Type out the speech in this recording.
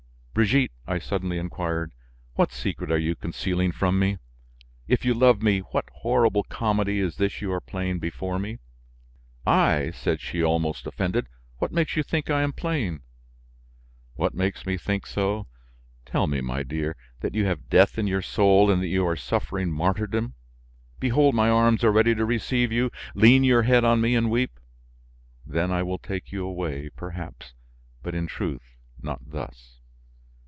"Brigitte," I suddenly inquired, "what secret are you concealing from me? If you love me, what horrible comedy is this you are playing before me?" "I!" said she almost offended. "What makes you think I am playing?" "What makes me think so? Tell me, my dear, that you have death in your soul and that you are suffering martyrdom. Behold my arms are ready to receive you; lean your head on me and weep. Then I will take you away, perhaps; but in truth, not thus."